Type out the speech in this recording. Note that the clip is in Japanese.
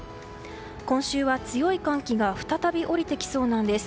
今週は強い寒気が再び下りてきそうなんです。